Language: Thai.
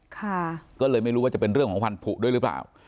ค่ะก็เลยไม่รู้ว่าจะเป็นเรื่องของควันผุด้วยหรือเปล่า